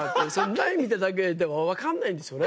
苗見ただけでは分かんないんですよね。